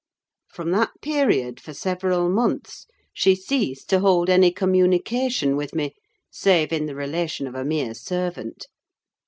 From that period, for several months, she ceased to hold any communication with me, save in the relation of a mere servant.